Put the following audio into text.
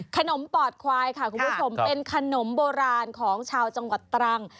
ปอดควายค่ะคุณผู้ชมเป็นขนมโบราณของชาวจังหวัดตรัง